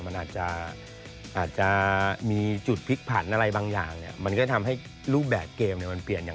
มันอาจจะมีจุดพลิกผันอะไรบางอย่างเนี่ยมันก็ทำให้รูปแบบเกมเนี่ยมันเปลี่ยนอย่าง